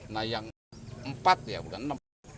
nah yang empat ya bukan enam